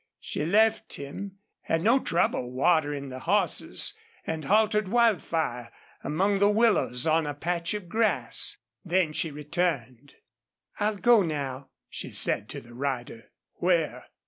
She left him, had no trouble in watering the horses, and haltered Wildfire among the willows on a patch of grass. Then she returned. "I'll go now," she said to the rider. "Where?"